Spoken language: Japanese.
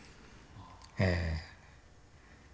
ええ。